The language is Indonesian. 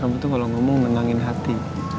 kamu tuh kalau ngomong menenangin hati